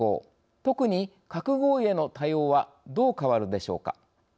特に核合意への対応はどう変わるでしょうか。